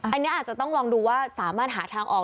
อันนี้อาจจะต้องลองดูว่าสามารถหาทางออก